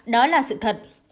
đó là sự thật